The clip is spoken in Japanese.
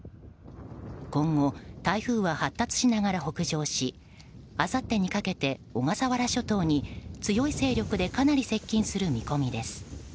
今後、台風は発達しながら北上しあさってにかけて小笠原諸島に強い勢力でかなり接近する見込みです。